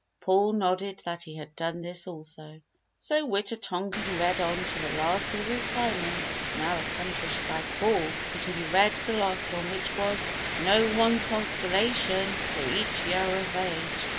Paul nodded that he had done this also. So Wita tonkan read on to the last of the requirements now accomplished by Paul, until he read the last one which was: "Know one constellation for each year of age."